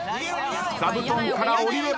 座布団からおりれば。